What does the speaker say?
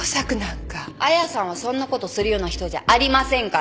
亜矢さんはそんなことするような人じゃありませんから。